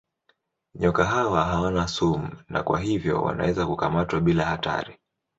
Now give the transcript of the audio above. Nyoka hawa hawana sumu na kwa hivyo wanaweza kukamatwa bila hatari.